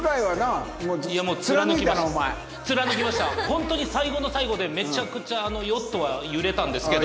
ホントに最後の最後でめちゃくちゃヨットは揺れたんですけど。